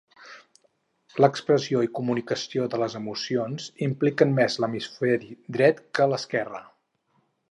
L'expressió i comunicació de les emocions impliquen més l'hemisferi dret que l'esquerre.